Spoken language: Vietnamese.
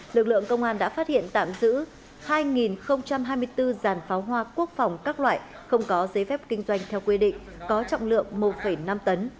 lực lượng công an đã phát hiện tạm giữ hai hai mươi bốn giàn pháo hoa quốc phòng các loại không có giấy phép kinh doanh